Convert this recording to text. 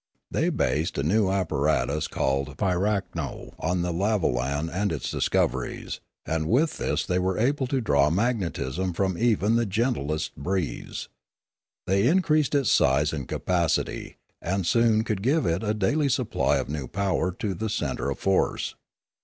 They based a new appar atus called pirakno on the lavolan and its discoveries, and with this they were able to draw magnetism from even the gentlest breeze. They increased its size and capacity, and soon could give a daily supply of new power to the centre of force.